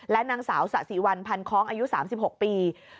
นางสาวสะสีวันพันคล้องอายุ๓๖ปี